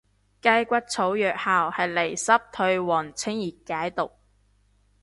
雞骨草藥效係利濕退黃清熱解毒